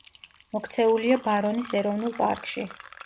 მოქცეულია ბარონის ეროვნული პარკში.